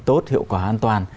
tốt hiệu quả an toàn